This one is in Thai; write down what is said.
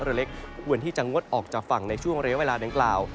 เรือเล็กควรที่จะงดออกจากฝั่งในช่วงระยะเวลาดังกล่าว